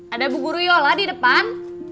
ada bu guru yola di depan